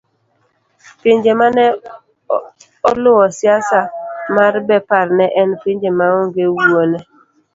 pinje mane oluwo siasa mar Bepar ne en pinje maonge wuone